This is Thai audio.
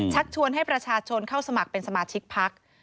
ชวนให้ประชาชนเข้าสมัครเป็นสมาชิกพัก